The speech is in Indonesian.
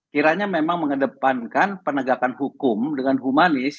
kiranya memang mengedepankan penegakan hukum dengan humanis